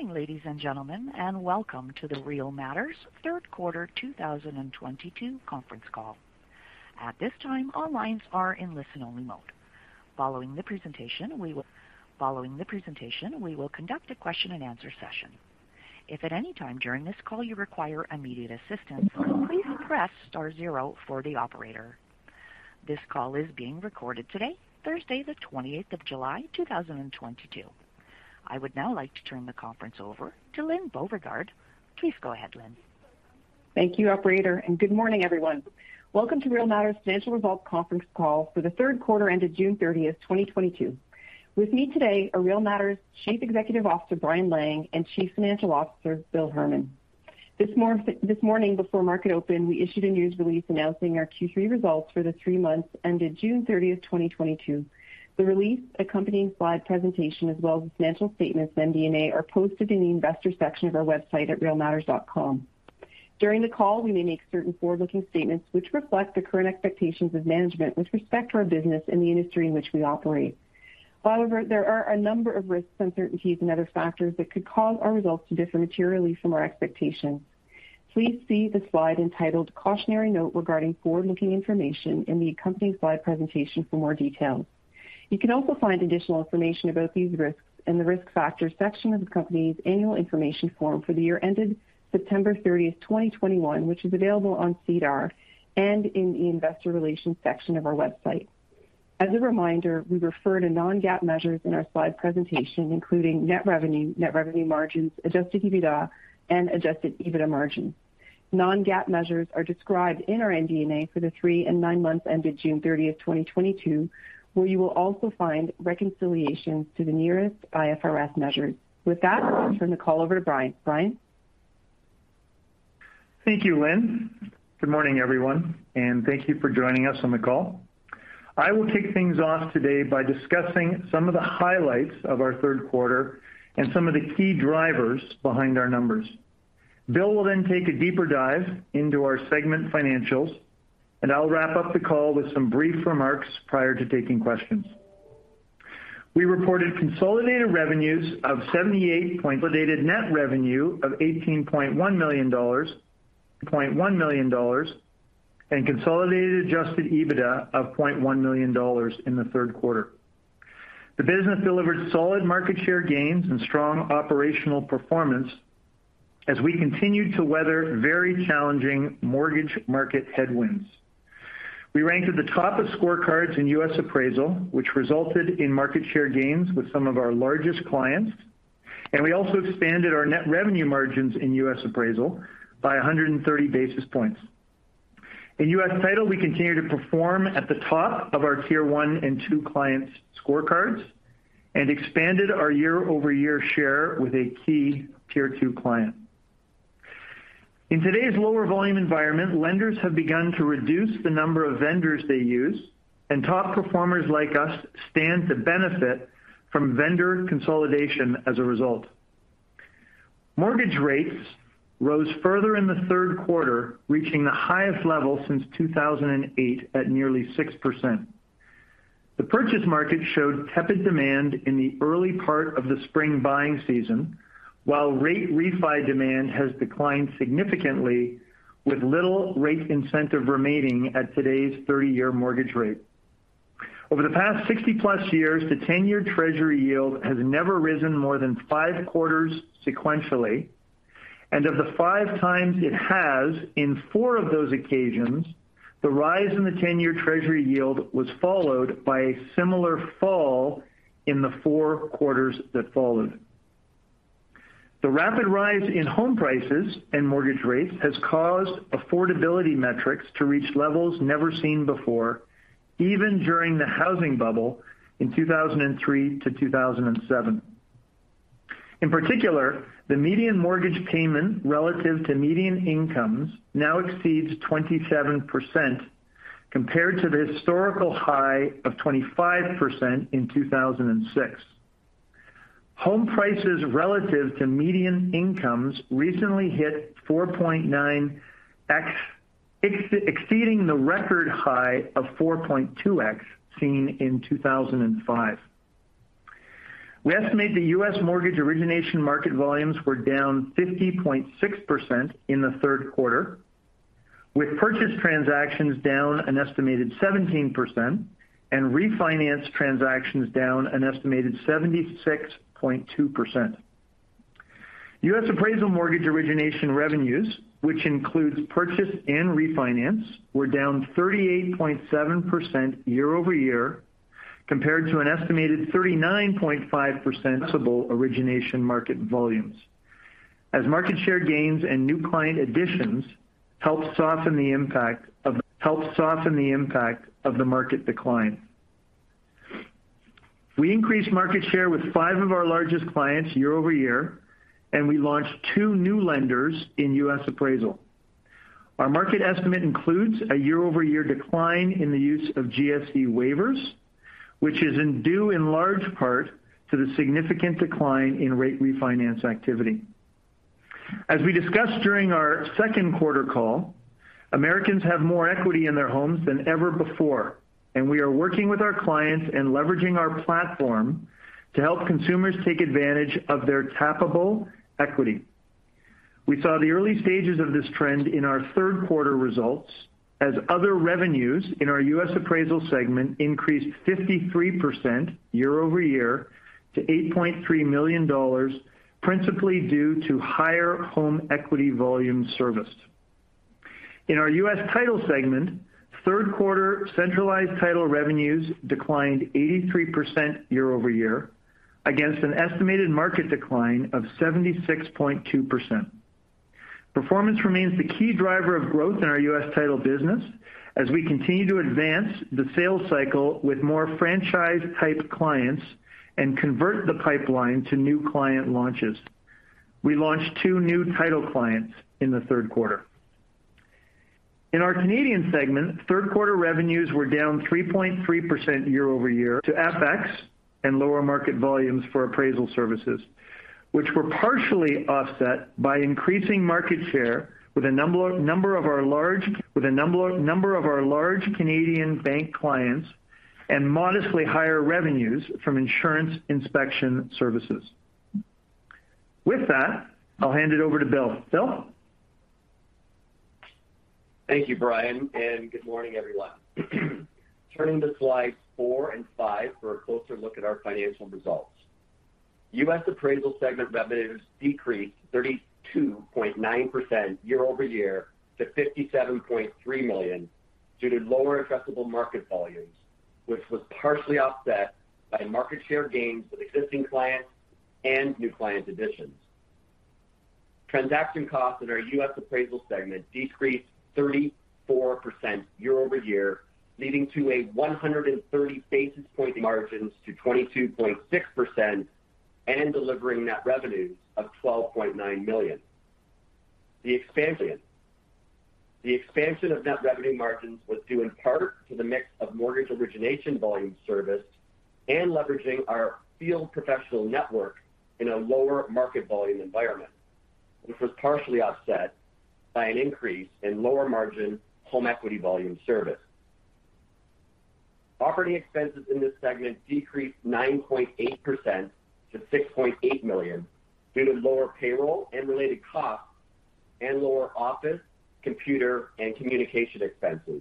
Morning, ladies and gentlemen, and welcome to the Real Matters Third Quarter 2022 Conference Call. At this time, all lines are in listen-only mode. Following the presentation, we will conduct a question-and-answer session. If at any time during this call you require immediate assistance, please press star zero for the operator. This call is being recorded today, Thursday, the 28th of July, 2022. I would now like to turn the conference over to Lyne Beauregard. Please go ahead, Lyne. Thank you, operator, and good morning, everyone. Welcome to Real Matters Financial Results conference call for the third quarter ended June 30, 2022. With me today are Real Matters Chief Executive Officer, Brian Lang, and Chief Financial Officer, Bill Herman. This morning before market open, we issued a news release announcing our Q3 results for the three months ended June 30, 2022. The release accompanying slide presentation as well as financial statements, MD&A, are posted in the investor section of our website at realmatters.com. During the call, we may make certain forward-looking statements which reflect the current expectations of management with respect to our business in the industry in which we operate. However, there are a number of risks, uncertainties and other factors that could cause our results to differ materially from our expectations. Please see the slide entitled Cautionary Note regarding forward-looking information in the accompanying slide presentation for more details. You can also find additional information about these risks in the Risk Factors section of the company's Annual Information Form for the year ended September 30, 2021, which is available on SEDAR and in the Investor Relations section of our website. As a reminder, we refer to non-GAAP measures in our slide presentation, including net revenue, net revenue margins, adjusted EBITDA and adjusted EBITDA margin. Non-GAAP measures are described in our MD&A for the three and nine months ended June 30, 2022, where you will also find reconciliation to the nearest IFRS measures. With that, I'll turn the call over to Brian. Brian. Thank you, Lyne. Good morning, everyone, and thank you for joining us on the call. I will kick things off today by discussing some of the highlights of our third quarter and some of the key drivers behind our numbers. Bill will then take a deeper dive into our segment financials, and I'll wrap up the call with some brief remarks prior to taking questions. We reported consolidated net revenue of 18.1 million dollars and consolidated adjusted EBITDA of 0.1 million dollars in the third quarter. The business delivered solid market share gains and strong operational performance as we continued to weather very challenging mortgage market headwinds. We ranked at the top of scorecards in U.S. Appraisal, which resulted in market share gains with some of our largest clients, and we also expanded our net revenue margins in U.S. Appraisal by 130 basis points. In U.S. Title, we continue to perform at the top of our tier one and two clients' scorecards and expanded our year-over-year share with a key tier two client. In today's lower volume environment, lenders have begun to reduce the number of vendors they use, and top performers like us stand to benefit from vendor consolidation as a result. Mortgage rates rose further in the third quarter, reaching the highest level since 2008 at nearly 6%. The purchase market showed tepid demand in the early part of the spring buying season, while rate refi demand has declined significantly with little rate incentive remaining at today's 30-year mortgage rate. Over the past 60+ years, the 10-year treasury yield has never risen more than five quarters sequentially, and of the five times it has, in four of those occasions, the rise in the 10-year treasury yield was followed by a similar fall in the four quarters that followed. The rapid rise in home prices and mortgage rates has caused affordability metrics to reach levels never seen before, even during the housing bubble in 2003 to 2007. In particular, the median mortgage payment relative to median incomes now exceeds 27% compared to the historical high of 25% in 2006. Home prices relative to median incomes recently hit 4.9x, exceeding the record high of 4.2x seen in 2005. We estimate the U.S. mortgage origination market volumes were down 50.6% in the third quarter, with purchase transactions down an estimated 17% and refinance transactions down an estimated 76.2%. U.S. Appraisal mortgage origination revenues, which includes purchase and refinance, were down 38.7% year-over-year compared to an estimated 39.5% of all origination market volumes. Market share gains and new client additions helped soften the impact of the market decline. We increased market share with five of our largest clients year-over-year, and we launched two new lenders in U.S. Appraisal. Our market estimate includes a year-over-year decline in the use of GSE waivers, which is due in large part to the significant decline in rate refinance activity. As we discussed during our second quarter call, Americans have more equity in their homes than ever before, and we are working with our clients and leveraging our platform to help consumers take advantage of their tappable equity. We saw the early stages of this trend in our third quarter results as other revenues in our U.S. appraisal segment increased 53% year-over-year to $8.3 million, principally due to higher home equity volume serviced. In our U.S. title segment, third quarter centralized title revenues declined 83% year-over-year against an estimated market decline of 76.2%. Performance remains the key driver of growth in our U.S. Title business as we continue to advance the sales cycle with more franchise-type clients and convert the pipeline to new client launches. We launched two new title clients in the third quarter. In our Canadian segment, third quarter revenues were down 3.3% year-over-year due to FX and lower market volumes for appraisal services, which were partially offset by increasing market share with a number of our large Canadian bank clients and modestly higher revenues from insurance inspection services. With that, I'll hand it over to Bill. Bill? Thank you, Brian, and good morning, everyone. Turning to slides four and five for a closer look at our financial results. U.S. Appraisal segment revenues decreased 32.9% year-over-year to $57.3 million due to lower addressable market volumes, which was partially offset by market share gains with existing clients and new client additions. Transaction costs in our U.S. Appraisal segment decreased 34% year-over-year, leading to a 130 basis point margins to 22.6% and delivering net revenues of $12.9 million. The expansion of net revenue margins was due in part to the mix of mortgage origination volume serviced and leveraging our field professional network in a lower market volume environment. This was partially offset by an increase in lower margin home equity volume service. Operating expenses in this segment decreased 9.8% to $6.8 million due to lower payroll and related costs and lower office, computer, and communication expenses.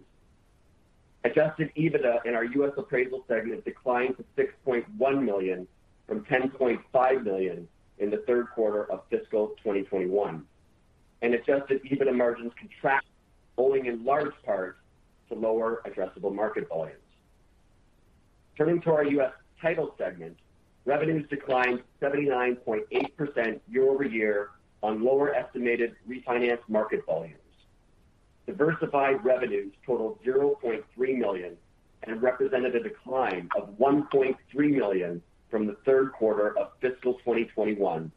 Adjusted EBITDA in our U.S. Appraisal segment declined to $6.1 million from $10.5 million in the third quarter of fiscal 2021, and adjusted EBITDA margins contracted, owing in large part to lower addressable market volumes. Turning to our U.S. Title segment, revenues declined 79.8% year-over-year on lower estimated refinance market volumes. Diversified revenues totaled $0.3 million and represented a decline of $1.3 million from the third quarter of fiscal 2021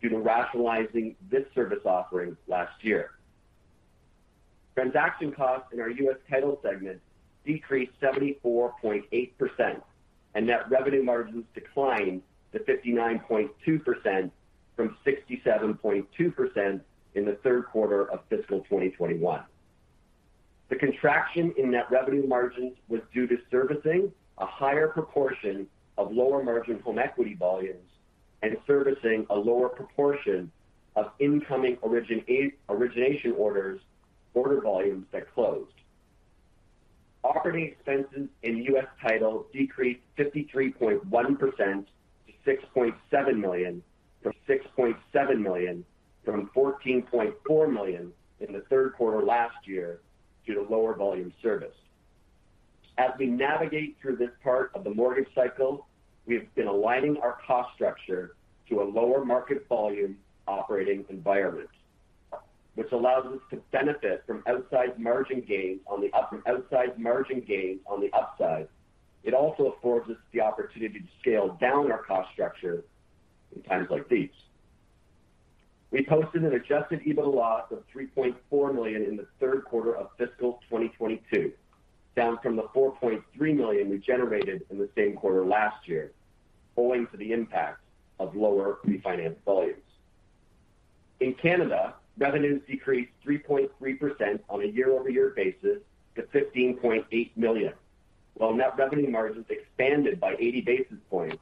due to rationalizing this service offering last year. Transaction costs in our U.S. Title segment decreased 74.8%, and net revenue margins declined to 59.2% from 67.2% in the third quarter of fiscal 2021. The contraction in net revenue margins was due to servicing a higher proportion of lower margin home equity volumes and servicing a lower proportion of incoming origination orders, order volumes that closed. Operating expenses in U.S. Title decreased 53.1% to $6.7 million from $14.4 million in the third quarter last year due to lower volume service. As we navigate through this part of the mortgage cycle, we've been aligning our cost structure to a lower market volume operating environment, which allows us to benefit from upside margin gains on the upside. It also affords us the opportunity to scale down our cost structure in times like these. We posted an adjusted EBITDA loss of 3.4 million in the third quarter of fiscal 2022, down from the 4.3 million we generated in the same quarter last year, owing to the impact of lower refinance volumes. In Canada, revenues decreased 3.3% on a year-over-year basis to 15.8 million, while net revenue margins expanded by 80 basis points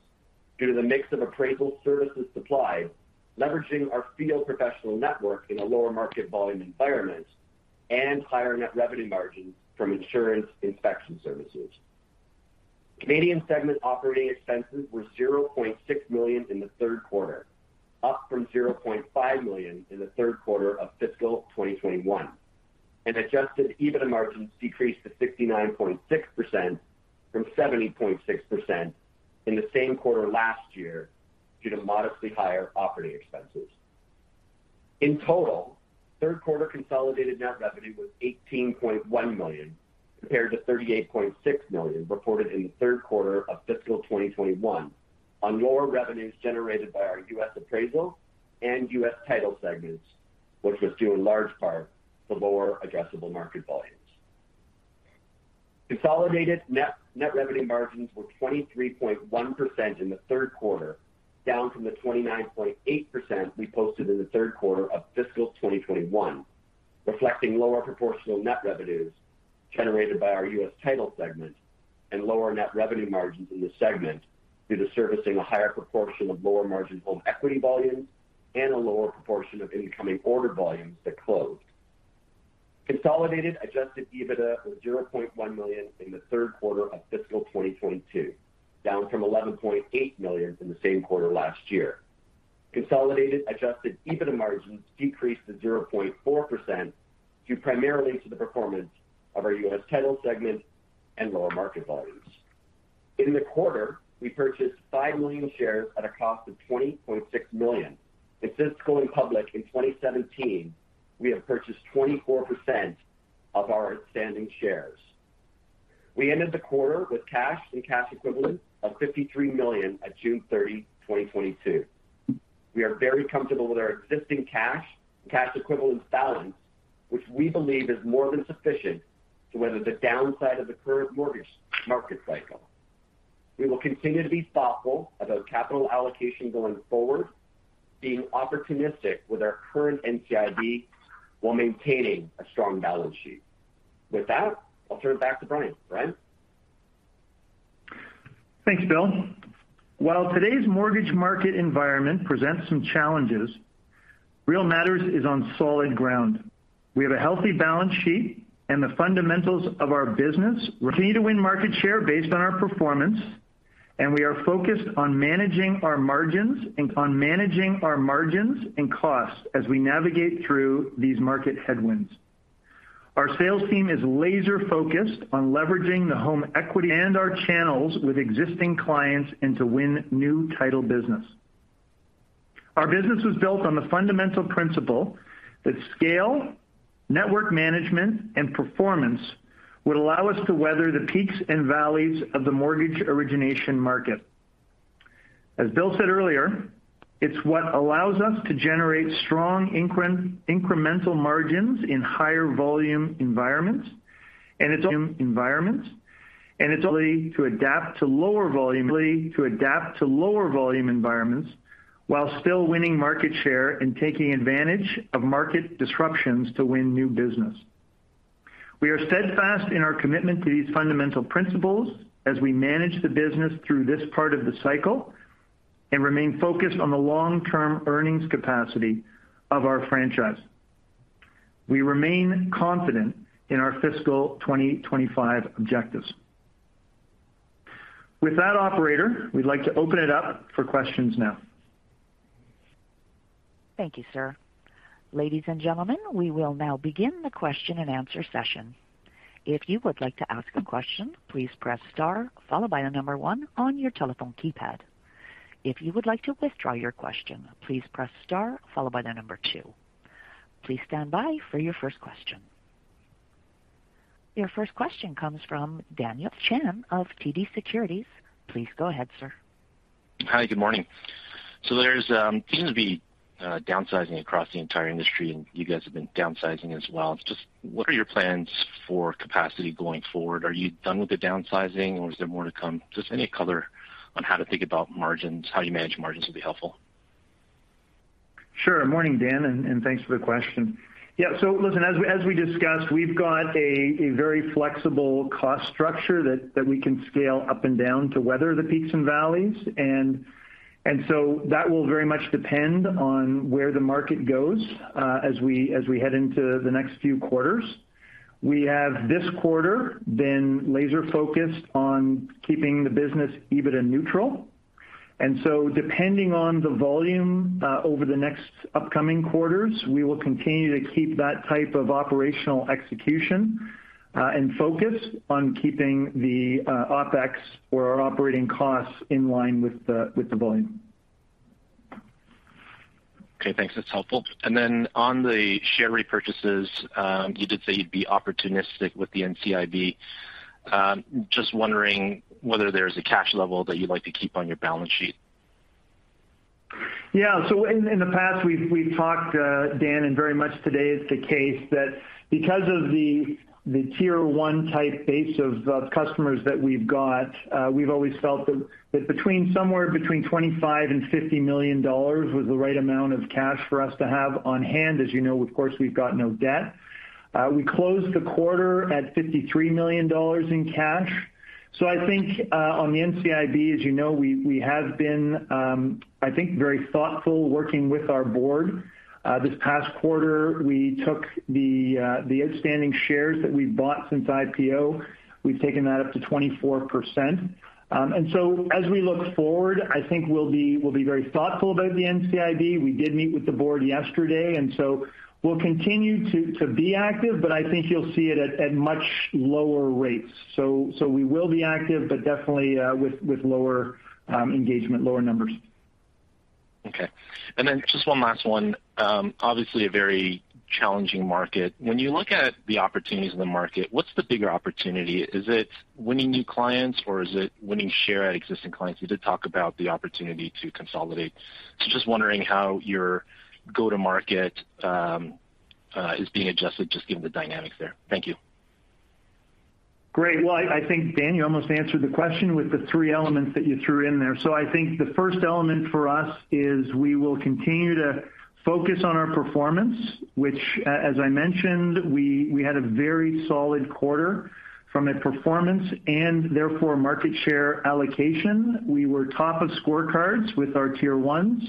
due to the mix of appraisal services supplied, leveraging our field professional network in a lower market volume environment and higher net revenue margins from insurance inspection services. Canadian segment operating expenses were 0.6 million in the third quarter, up from 0.5 million in the third quarter of fiscal 2021. Adjusted EBITDA margins decreased to 69.6% from 70.6% in the same quarter last year due to modestly higher operating expenses. In total, third quarter consolidated net revenue was 18.1 million compared to 38.6 million reported in the third quarter of fiscal 2021 on lower revenues generated by our U.S. appraisal and U.S. title segments, which was due in large part to lower addressable market volumes. Consolidated net revenue margins were 23.1% in the third quarter, down from the 29.8% we posted in the third quarter of fiscal 2021, reflecting lower proportional net revenues generated by our U.S. Title segment and lower net revenue margins in the segment due to servicing a higher proportion of lower margin home equity volumes and a lower proportion of incoming order volumes that closed. Consolidated adjusted EBITDA was 0.1 million in the third quarter of fiscal 2022, down from 11.8 million in the same quarter last year. Consolidated adjusted EBITDA margins decreased to 0.4% due primarily to the performance of our U.S. Title segment and lower market volumes. In the quarter, we purchased 5 million shares at a cost of 20.6 million. Since going public in 2017, we have purchased 24% of our outstanding shares. We ended the quarter with cash and cash equivalents of 53 million at June 30, 2022. We are very comfortable with our existing cash and cash equivalents balance, which we believe is more than sufficient to weather the downside of the current mortgage market cycle. We will continue to be thoughtful about capital allocation going forward, being opportunistic with our current NCIB while maintaining a strong balance sheet. With that, I'll turn it back to Brian. Brian? Thanks, Bill. While today's mortgage market environment presents some challenges, Real Matters is on solid ground. We have a healthy balance sheet and the fundamentals of our business continue to win market share based on our performance, and we are focused on managing our margins and costs as we navigate through these market headwinds. Our sales team is laser-focused on leveraging the home equity and our channels with existing clients and to win new title business. Our business was built on the fundamental principle that scale, network management, and performance would allow us to weather the peaks and valleys of the mortgage origination market. As Bill said earlier, it's what allows us to generate strong incremental margins in higher volume environments. In these environments, it's to adapt to lower volume environments while still winning market share and taking advantage of market disruptions to win new business. We are steadfast in our commitment to these fundamental principles as we manage the business through this part of the cycle and remain focused on the long-term earnings capacity of our franchise. We remain confident in our fiscal 2025 objectives. With that, operator, we'd like to open it up for questions now. Thank you, sir. Ladies and gentlemen, we will now begin the question-and-answer session. If you would like to ask a question, please press star followed by the number one on your telephone keypad. If you would like to withdraw your question, please press star followed by the number two. Please stand by for your first question. Your first question comes from Daniel Chan of TD Securities. Please go ahead, sir. Hi, good morning. There seems to be downsizing across the entire industry, and you guys have been downsizing as well. Just what are your plans for capacity going forward? Are you done with the downsizing or is there more to come? Just any color on how to think about margins, how you manage margins would be helpful. Sure. Morning, Dan, and thanks for the question. Yeah, listen, as we discussed, we've got a very flexible cost structure that we can scale up and down to weather the peaks and valleys. That will very much depend on where the market goes, as we head into the next few quarters. We have this quarter been laser-focused on keeping the business EBITDA neutral. Depending on the volume, over the next upcoming quarters, we will continue to keep that type of operational execution, and focus on keeping the OpEx or our operating costs in line with the volume. Okay, thanks. That's helpful. Then on the share repurchases, you did say you'd be opportunistic with the NCIB. Just wondering whether there's a cash level that you'd like to keep on your balance sheet. Yeah. In the past we've talked, Dan, and very much today is the case that because of the tier one type base of customers that we've got, we've always felt that between somewhere between 25 million and 50 million dollars was the right amount of cash for us to have on hand. As you know, of course, we've got no debt. We closed the quarter at 53 million dollars in cash. I think on the NCIB, as you know, we have been, I think, very thoughtful working with our board. This past quarter, we took the outstanding shares that we've bought since IPO. We've taken that up to 24%. As we look forward, I think we'll be very thoughtful about the NCIB. We did meet with the board yesterday, and so we'll continue to be active, but I think you'll see it at much lower rates. We will be active but definitely with lower engagement, lower numbers. Okay. Just one last one. Obviously a very challenging market. When you look at the opportunities in the market, what's the bigger opportunity? Is it winning new clients or is it winning share at existing clients? You did talk about the opportunity to consolidate. Just wondering how your go-to market is being adjusted just given the dynamics there. Thank you. Great. Well, I think, Daniel, you almost answered the question with the three elements that you threw in there. I think the first element for us is we will continue to focus on our performance, which, as I mentioned, we had a very solid quarter from a performance and therefore market share allocation. We were top of scorecards with our tier ones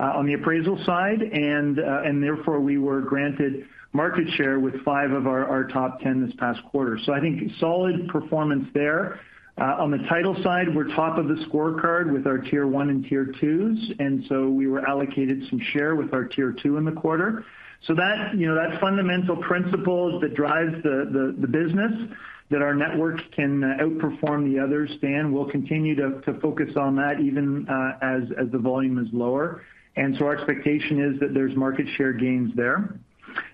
on the appraisal side, and therefore we were granted market share with five of our top 10 this past quarter. I think solid performance there. On the title side, we're top of the scorecard with our tier one and tier twos, and so we were allocated some share with our tier two in the quarter. That you know that fundamental principle that drives the business that our networks can outperform the others, Dan, we'll continue to focus on that even as the volume is lower. Our expectation is that there's market share gains there.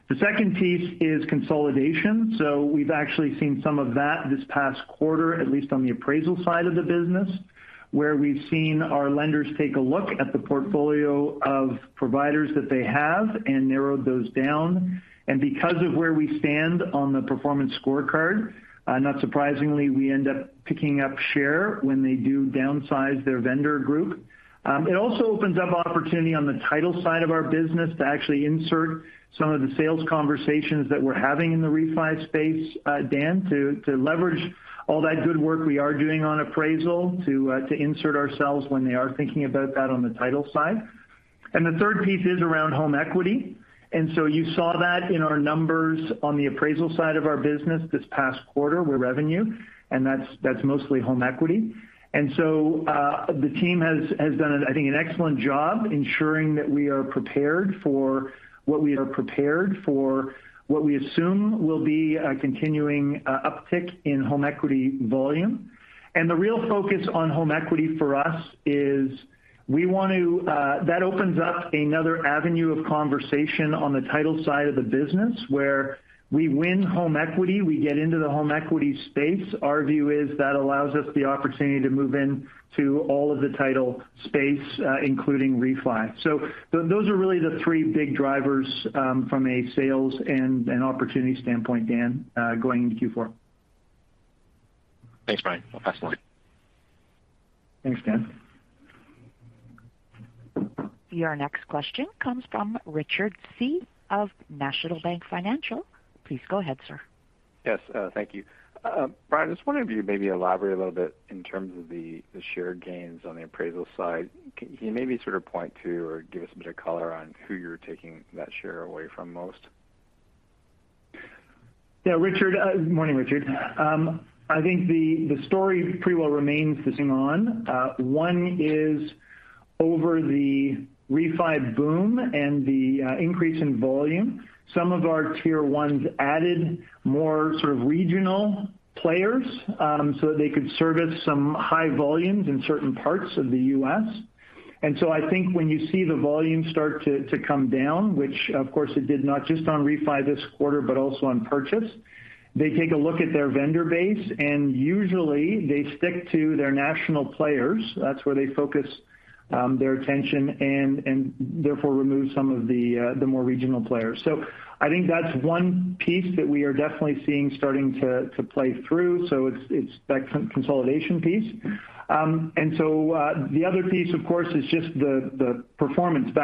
The second piece is consolidation. We've actually seen some of that this past quarter, at least on the appraisal side of the business, where we've seen our lenders take a look at the portfolio of providers that they have and narrowed those down. Because of where we stand on the performance scorecard, not surprisingly, we end up picking up share when they do downsize their vendor group. It also opens up opportunity on the title side of our business to actually insert some of the sales conversations that we're having in the refi space, Dan, to leverage all that good work we are doing on appraisal to insert ourselves when they are thinking about that on the title side. The third piece is around home equity. You saw that in our numbers on the appraisal side of our business this past quarter with revenue, and that's mostly home equity. The team has done, I think, an excellent job ensuring that we are prepared for what we assume will be a continuing uptick in home equity volume. The real focus on home equity for us is we want to. That opens up another avenue of conversation on the title side of the business, where we win home equity, we get into the home equity space. Our view is that allows us the opportunity to move in to all of the title space, including refi. Those are really the three big drivers, from a sales and an opportunity standpoint, Daniel, going into Q4. Thanks, Brian. That's helpful. Thanks, Dan. Your next question comes from Richard Tse of National Bank Financial. Please go ahead, sir. Yes, thank you. Brian, I was wondering if you maybe elaborate a little bit in terms of the share gains on the appraisal side. Can you maybe sort of point to or give us a bit of color on who you're taking that share away from most? Yeah, Richard. Morning, Richard. I think the story pretty well remains the same over the refi boom and the increase in volume. Some of our tier ones added more sort of regional players, so that they could service some high volumes in certain parts of the U.S. I think when you see the volume start to come down, which of course it did not just on refi this quarter, but also on purchase, they take a look at their vendor base, and usually they stick to their national players. That's where they focus their attention and therefore remove some of the more regional players. I think that's one piece that we are definitely seeing starting to play through. It's that consolidation piece. The other piece, of course, is just the performance of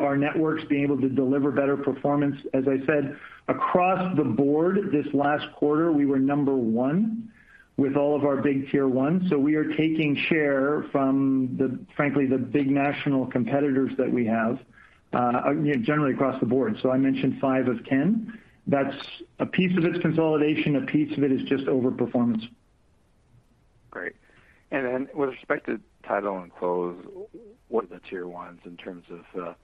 our networks being able to deliver better performance. As I said, across the board this last quarter, we were number one with all of our big Tier 1s. We are taking share from, frankly, the big national competitors that we have, you know, generally across the board. I mentioned five of 10. That's a piece of it. It's consolidation, a piece of it is just overperformance. Great. With respect to Title and Close, what are the tier ones in terms of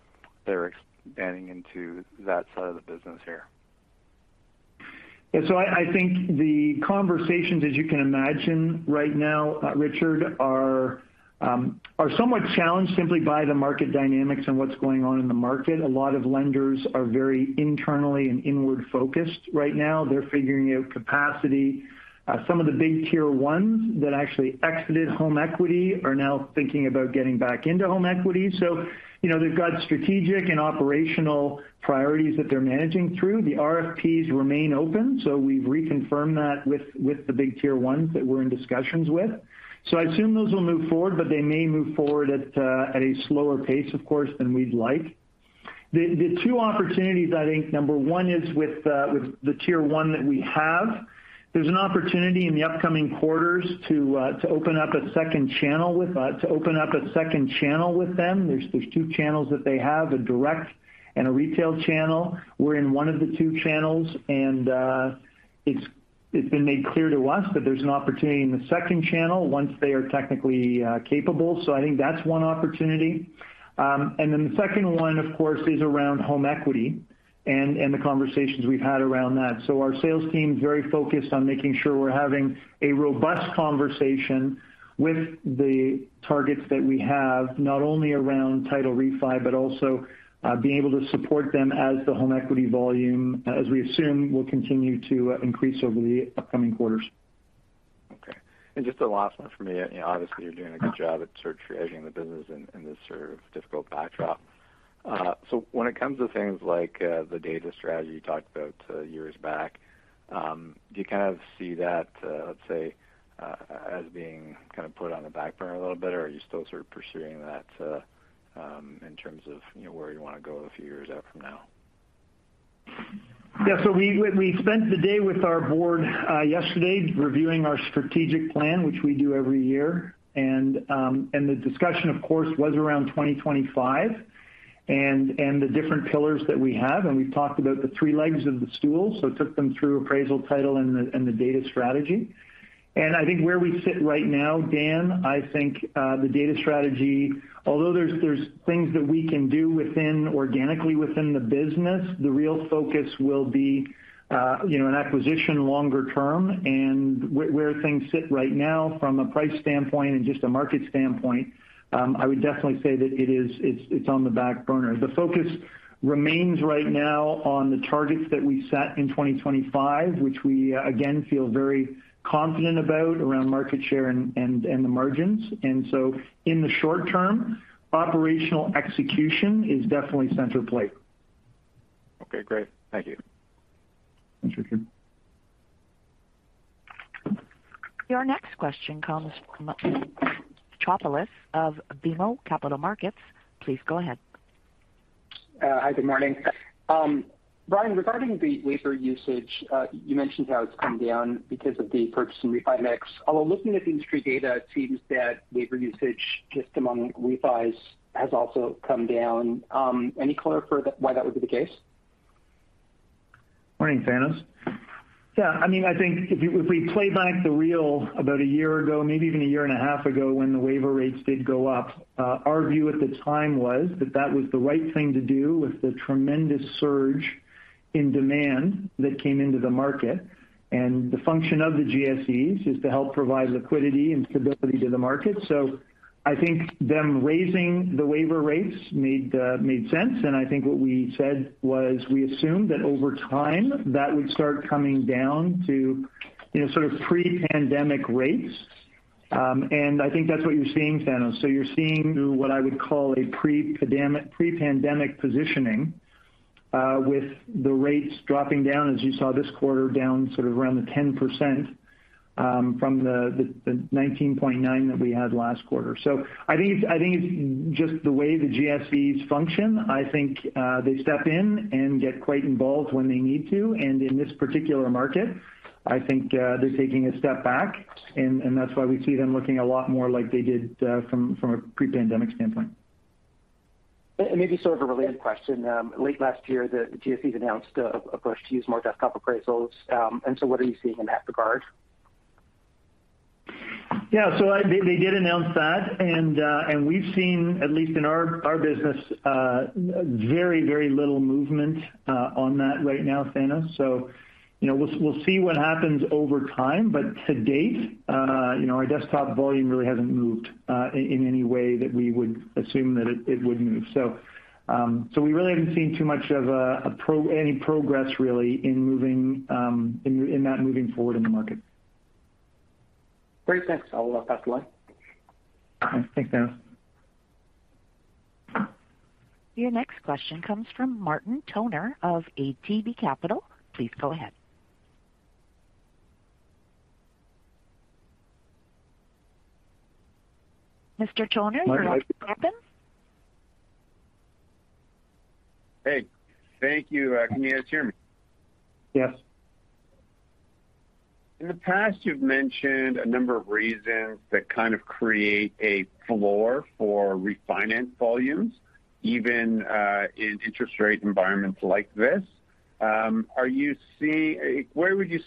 their expanding into that side of the business here? Yeah. I think the conversations, as you can imagine right now, Richard, are somewhat challenged simply by the market dynamics and what's going on in the market. A lot of lenders are very internally and inward-focused right now. They're figuring out capacity. Some of the big tier ones that actually exited home equity are now thinking about getting back into home equity. You know, they've got strategic and operational priorities that they're managing through. The RFPs remain open, so we've reconfirmed that with the big tier ones that we're in discussions with. I assume those will move forward, but they may move forward at a slower pace, of course, than we'd like. The two opportunities, I think number one is with the tier one that we have. There's an opportunity in the upcoming quarters to open up a second channel with them. There's two channels that they have, a direct and a retail channel. We're in one of the two channels, and it's been made clear to us that there's an opportunity in the second channel once they are technically capable. I think that's one opportunity. The second one, of course, is around home equity and the conversations we've had around that. Our sales team is very focused on making sure we're having a robust conversation with the targets that we have, not only around title refi, but also being able to support them as the home equity volume, as we assume, will continue to increase over the upcoming quarters. Just the last one for me. You know, obviously you're doing a good job at sort of creating the business in this sort of difficult backdrop. When it comes to things like the data strategy you talked about years back, do you kind of see that, let's say, as being kind of put on the back burner a little bit? Are you still sort of pursuing that in terms of, you know, where you wanna go a few years out from now? Yeah. We spent the day with our board yesterday reviewing our strategic plan, which we do every year. The discussion of course was around 2025 and the different pillars that we have, and we talked about the three legs of the stool, so took them through appraisal title and the data strategy. I think where we sit right now, Dan, I think the data strategy, although there's things that we can do within organically within the business, the real focus will be you know an acquisition longer term. Where things sit right now from a price standpoint and just a market standpoint, I would definitely say that it is it's on the back burner. The focus remains right now on the targets that we set in 2025, which we again feel very confident about around market share and the margins. In the short term, operational execution is definitely center stage. Okay, great. Thank you. Thanks, Richard. Your next question comes from Thanos of BMO Capital Markets. Please go ahead. Hi, good morning. Brian, regarding the waiver usage, you mentioned how it's come down because of the purchase and refi mix. Although looking at the industry data, it seems that waiver usage just among refis has also come down. Any color for that, why that would be the case? Morning, Thanasis. Yeah, I mean, I think if we play back the reel about a year ago, maybe even a year and a half ago when the waiver rates did go up, our view at the time was that that was the right thing to do with the tremendous surge in demand that came into the market. The function of the GSEs is to help provide liquidity and stability to the market. I think them raising the waiver rates made sense, and I think what we said was we assumed that over time, that would start coming down to, you know, sort of pre-pandemic rates. I think that's what you're seeing, Thanasis. You're seeing what I would call a pre-pandemic positioning, with the rates dropping down as you saw this quarter, down sort of around the 10%, from the 19.9% that we had last quarter. I think it's just the way the GSEs function. I think they step in and get quite involved when they need to. In this particular market, I think they're taking a step back, and that's why we see them looking a lot more like they did from a pre-pandemic standpoint. Maybe sort of a related question. Late last year, the GSEs announced a push to use more desktop appraisals. What are you seeing in that regard? Yeah. They did announce that, and we've seen, at least in our business, very little movement on that right now, Thanasis. You know, we'll see what happens over time. To date, you know, our desktop volume really hasn't moved in any way that we would assume that it would move. We really haven't seen too much of any progress really in moving in that moving forward in the market. Great. Thanks. I'll pass the line. All right. Thanks, Thanos. Your next question comes from Martin Toner of ATB Capital Markets. Please go ahead. Mr. Toner, your line is open. Hey. Thank you. Can you guys hear me? Yes. In the past, you've mentioned a number of reasons that kind of create a floor for refinance volumes, even in interest rate environments like this. Where would you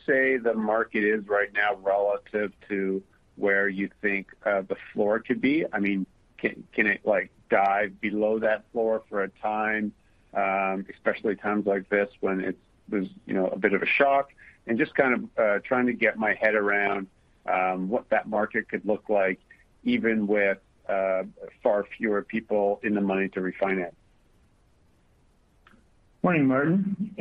say the market is right now relative to where you think the floor could be? I mean, can it like dive below that floor for a time, especially times like this when there's you know a bit of a shock? Just kind of trying to get my head around what that market could look like even with far fewer people in the money to refinance. Morning, Martin.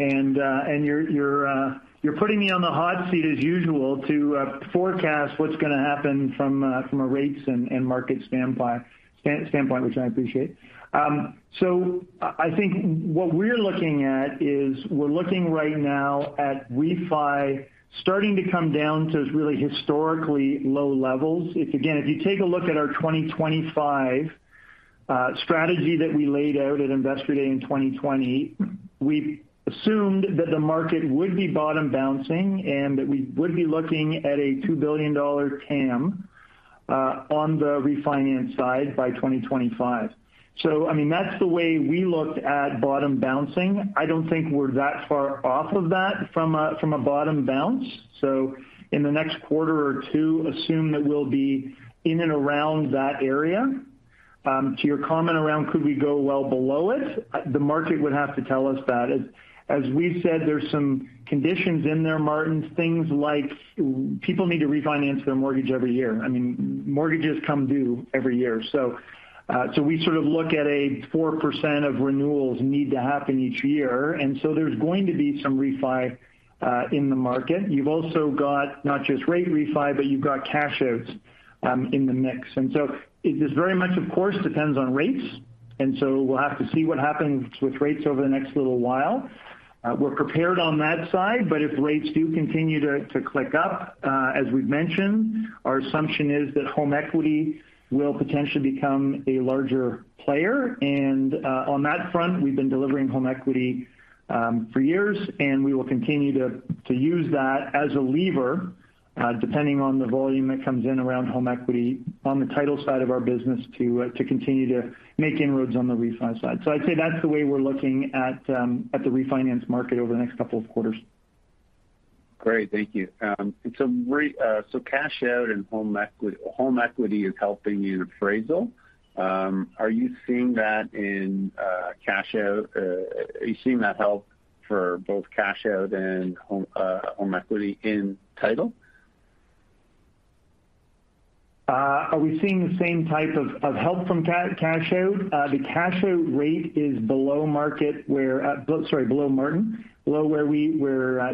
You're putting me on the hot seat as usual to forecast what's gonna happen from a rates and market standpoint, which I appreciate. I think what we're looking at is we're looking right now at refi starting to come down to its really historically low levels. If, again, if you take a look at our 2025 strategy that we laid out at Investor Day in 2020, we assumed that the market would be bottom bouncing and that we would be looking at a $2 billion TAM on the refinance side by 2025. I mean, that's the way we looked at bottom bouncing. I don't think we're that far off of that from a bottom bounce. In the next quarter or two, assume that we'll be in and around that area. To your comment around could we go well below it, the market would have to tell us that. As we've said, there's some conditions in there, Martin, things like people need to refinance their mortgage every year. I mean, mortgages come due every year. We sort of look at a 4% of renewals need to happen each year, and there's going to be some refi in the market. You've also got not just rate refi, but you've got cash outs in the mix. It just very much, of course, depends on rates. We'll have to see what happens with rates over the next little while. We're prepared on that side, but if rates do continue to tick up, as we've mentioned, our assumption is that home equity will potentially become a larger player. On that front, we've been delivering home equity for years, and we will continue to use that as a lever, depending on the volume that comes in around home equity on the title side of our business to continue to make inroads on the refi side. I'd say that's the way we're looking at the refinance market over the next couple of quarters. Great. Thank you. Cash out and home equity, home equity is helping you in appraisal. Are you seeing that in cash out? Are you seeing that help for both cash out and home equity in title? Are we seeing the same type of help from cash out? The cash out rate is below market, below, Martin. Below where we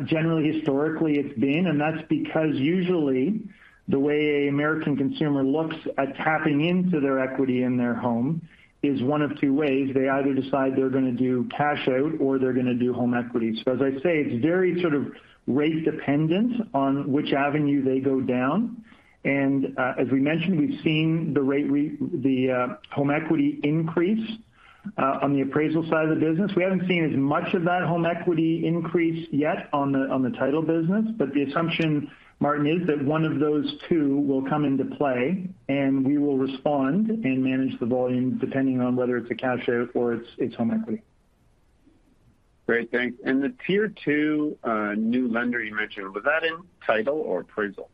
generally historically it's been, and that's because usually the way an American consumer looks at tapping into their equity in their home is one of two ways. They either decide they're gonna do cash out or they're gonna do home equity. So as I say, it's very sort of rate dependent on which avenue they go down. As we mentioned, we've seen the home equity increase on the appraisal side of the business. We haven't seen as much of that home equity increase yet on the title business. The assumption, Martin, is that one of those two will come into play and we will respond and manage the volume depending on whether it's a cash out or it's home equity. Great. Thanks. The Tier 2 new lender you mentioned, was that in title or appraisal?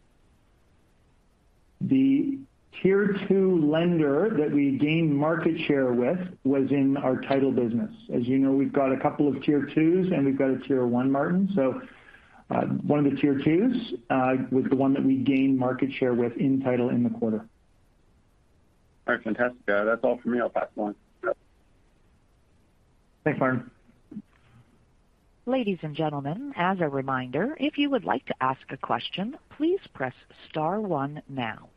The Tier 2 lender that we gained market share with was in our title business. As you know, we've got a couple of Tier 2s, and we've got a Tier 1, Martin. One of the Tier 2s was the one that we gained market share with in title in the quarter. All right. Fantastic. That's all for me. I'll pass it on. Thanks, Martin. Ladies and gentlemen, as a reminder, if you would like to ask a question, please press star one now.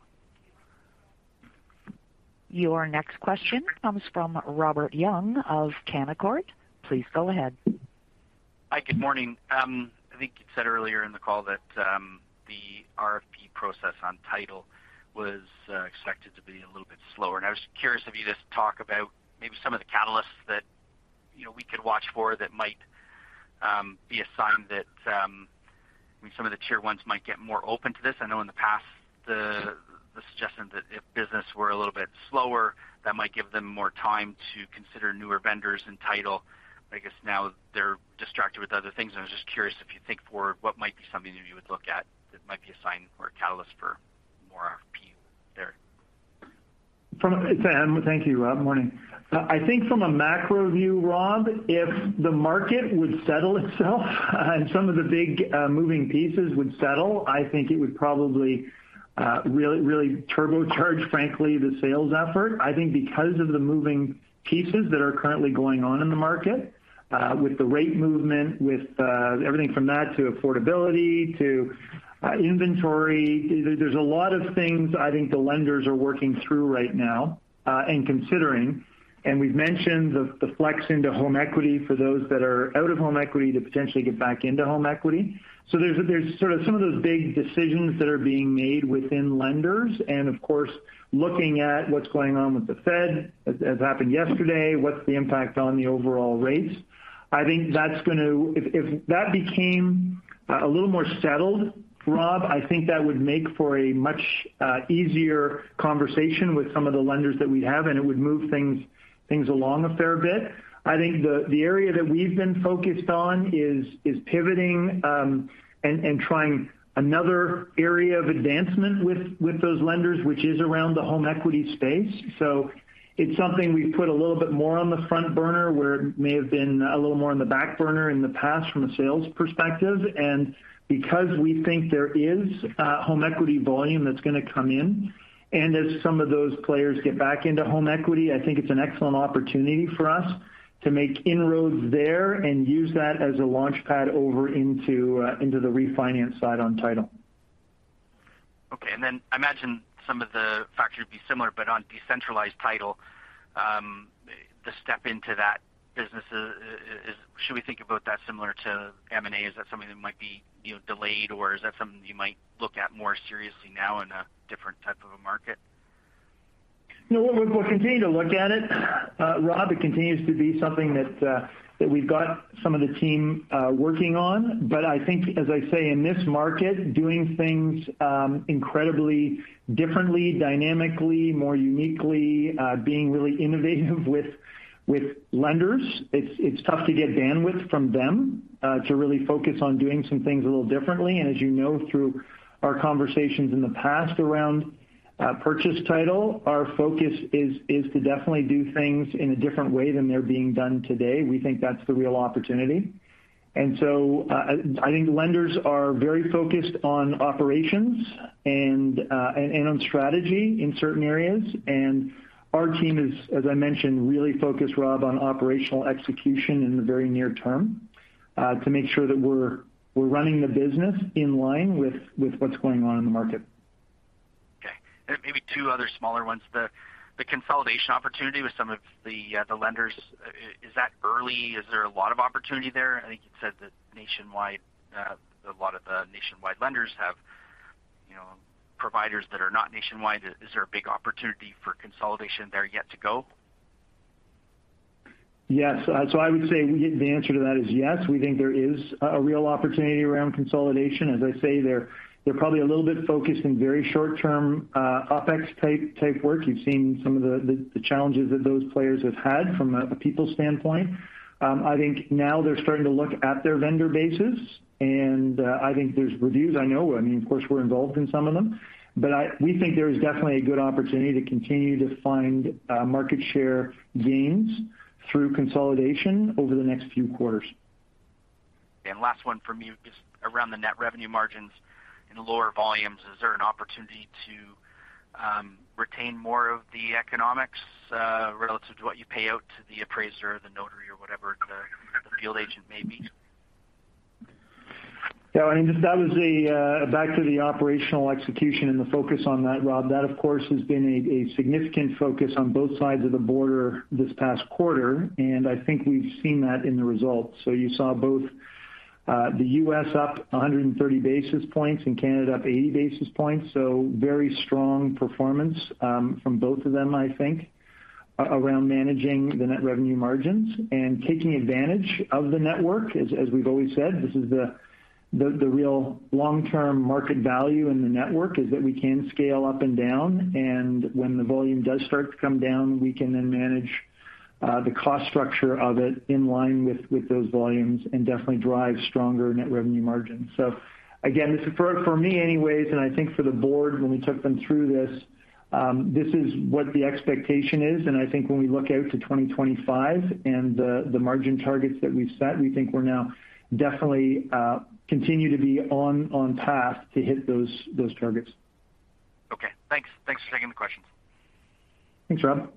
Your next question comes from Robert Young of Canaccord. Please go ahead. Hi, good morning. I think you said earlier in the call that the RFP process on title was expected to be a little bit slower. I was curious if you just talk about maybe some of the catalysts that, you know, we could watch for that might be a sign that some of the tier ones might get more open to this. I know in the past, the suggestion that if business were a little bit slower, that might give them more time to consider newer vendors in title. I guess now they're distracted with other things. I was just curious if you think for what might be something that you would look at that might be a sign for a catalyst for more RFP there. Thank you, Robert. Morning. I think from a macro view, Robert, if the market would settle itself and some of the big moving pieces would settle, I think it would probably really turbocharge, frankly, the sales effort. I think because of the moving pieces that are currently going on in the market with the rate movement, with everything from that to affordability to inventory, there's a lot of things I think the lenders are working through right now and considering. We've mentioned the flex into home equity for those that are out of home equity to potentially get back into home equity. There's sort of some of those big decisions that are being made within lenders and of course, looking at what's going on with the Fed, as happened yesterday, what's the impact on the overall rates? If that became a little more settled, Rob, I think that would make for a much easier conversation with some of the lenders that we have, and it would move things along a fair bit. I think the area that we've been focused on is pivoting and trying another area of advancement with those lenders, which is around the home equity space. It's something we've put a little bit more on the front burner where it may have been a little more on the back burner in the past from a sales perspective. Because we think there is home equity volume that's gonna come in, and as some of those players get back into home equity, I think it's an excellent opportunity for us to make inroads there and use that as a launch pad over into the refinance side on title. Okay. I imagine some of the factors would be similar, but on decentralized title, the step into that business. Should we think about that similar to M&A? Is that something that might be, you know, delayed, or is that something you might look at more seriously now in a different type of a market? No, we'll continue to look at it. Rob, it continues to be something that we've got some of the team working on. I think, as I say, in this market, doing things incredibly differently, dynamically, more uniquely, being really innovative with lenders, it's tough to get bandwidth from them to really focus on doing some things a little differently. As you know through our conversations in the past around purchase title, our focus is to definitely do things in a different way than they're being done today. We think that's the real opportunity. I think lenders are very focused on operations and on strategy in certain areas. Our team is, as I mentioned, really focused, Rob, on operational execution in the very near term, to make sure that we're running the business in line with what's going on in the market. Okay. Maybe two other smaller ones. The consolidation opportunity with some of the lenders, is that early? Is there a lot of opportunity there? I think you said that Nationwide, a lot of the Nationwide lenders have, you know, providers that are not Nationwide. Is there a big opportunity for consolidation there yet to go? Yes. I would say the answer to that is yes. We think there is a real opportunity around consolidation. As I say, they're probably a little bit focused in very short term, OpEx type work. You've seen some of the challenges that those players have had from a people standpoint. I think now they're starting to look at their vendor bases, and I think there's reviews. I know, I mean, of course, we're involved in some of them. We think there is definitely a good opportunity to continue to find market share gains through consolidation over the next few quarters. Last one from me is around the net revenue margins in lower volumes. Is there an opportunity to retain more of the economics relative to what you pay out to the appraiser or the notary or whatever the field agent may be? Yeah, I mean, that was back to the operational execution and the focus on that, Rob. That, of course, has been a significant focus on both sides of the border this past quarter, and I think we've seen that in the results. You saw both the US up 100 basis points and Canada up 80 basis points. Very strong performance from both of them, I think, around managing the net revenue margins and taking advantage of the network. As we've always said, this is the real long-term market value in the network, that we can scale up and down. When the volume does start to come down, we can then manage the cost structure of it in line with those volumes and definitely drive stronger net revenue margins. Again, this is for me anyways, and I think for the board when we took them through this is what the expectation is. I think when we look out to 2025 and the margin targets that we've set, we think we're now definitely continue to be on path to hit those targets. Okay, thanks. Thanks for taking the questions. Thanks, Rob.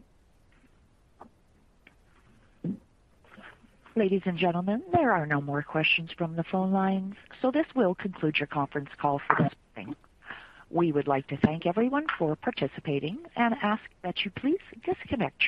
Ladies and gentlemen, there are no more questions from the phone lines, so this will conclude your conference call for this morning. We would like to thank everyone for participating and ask that you please disconnect your.